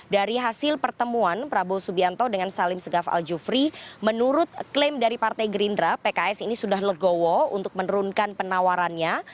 dari hasil pertemuan prabowo subianto dengan salim segaf al jufri menurut klaim dari partai gerindra pks ini sudah legowo untuk menurunkan penawarannya